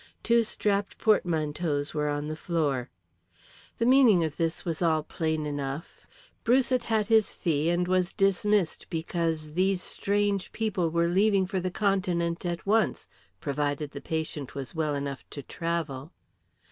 Two strapped portmanteaus were on the floor. The meaning of this was all plain enough. Bruce had had his fee and was dismissed because these strange people were leaving for the Continent at once, provided the patient was well enough to travel.